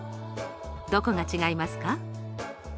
どこが違いますか？